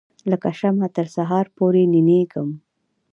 لکه شمعه تر سهار پوري ننیږم